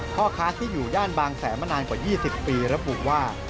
พ่อค้าที่อยู่ย่านบางแสนมานานกว่า๒๐ปีระบุว่า